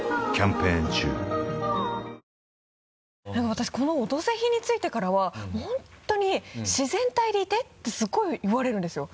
私この「オドぜひ」についてからはもう本当に「自然体でいて」ってすごい言われるんですよ。